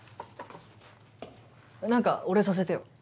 何かお礼させてよ。